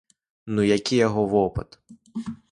Ну які яго вопыт?!